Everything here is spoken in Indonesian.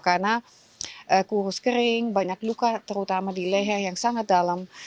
karena kurus kering banyak luka terutama di leher yang sangat dalam